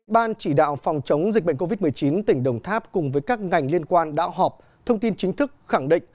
ban chỉ đạo phòng chống dịch bệnh covid một mươi chín tỉnh đồng tháp cùng với các ngành liên quan đã họp thông tin chính thức khẳng định